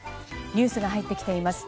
ニュースが入ってきています。